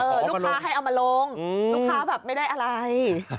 ลูกค้าให้เอามาลงลูกค้าแบบไม่ได้อะไร